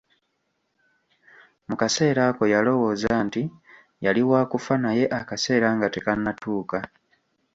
Mu kaseera ako yalowooza nti yali wa kufa naye akaseera nga tekannatuuka.